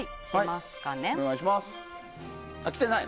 来てない？